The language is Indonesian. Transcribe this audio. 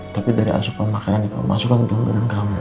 tapi dari asukan makanan yang kamu masukkan ke dalam keadaan kamu